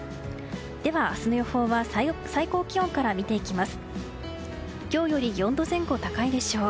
では明日の予報最高気温から見ていきます。